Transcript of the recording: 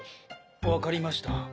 わかりました。